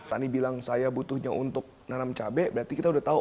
tani bilang saya butuhnya untuk nanam cabai berarti kita udah tahu